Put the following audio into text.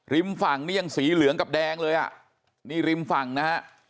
ฝั่งนี่ยังสีเหลืองกับแดงเลยอ่ะนี่ริมฝั่งนะฮะ